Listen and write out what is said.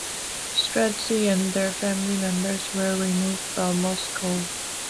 Streltsy and their family members were removed from Moscow.